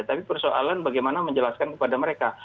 tapi persoalan bagaimana menjelaskan kepada mereka